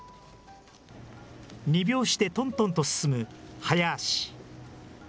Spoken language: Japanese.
２拍子でとんとんと進む速歩。